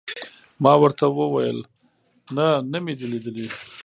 ما ورته وویل: نه، نه مې دي لیدلي.